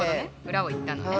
裏を言ったのね。